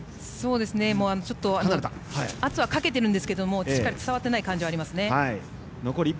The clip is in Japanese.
ちょっと、圧はかけているんですけれどもしっかり伝わっていない感じがありますね。